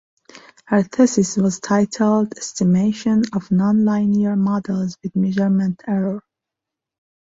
Her thesis was titled "Estimation of Nonlinear Models with Measurement Error".